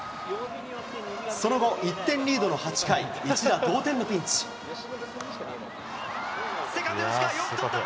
その後、１点リードの８回、セカンド、吉川、よく捕った。